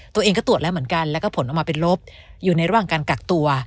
ตัวเองก็ตรวจแล้วเหมือนกันแล้วก็ผลออกมาเป็นลบอยู่ในระหว่างการกักตัว